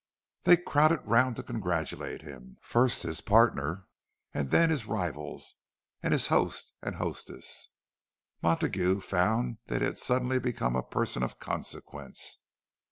They crowded round to congratulate him; first his partner, and then his rivals, and his host and hostess. Montague found that he had suddenly become a person of consequence.